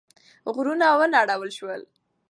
غرونه ونړول شول.